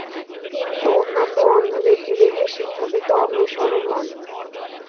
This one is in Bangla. তিনি অন্যান্য অন্ধ ব্যক্তিদেরকে শিক্ষা দিতে অগ্রসর হন।